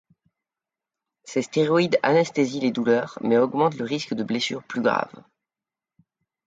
Ces stéroïdes anesthésient les douleurs, mais augmente le risque de blessures plus graves.